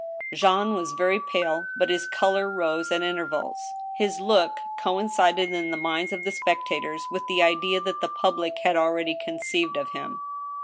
Jean was very pale, but his color rose at intervals. His look coincided in the minds of the spectators with the idea that the public had already conceived of him.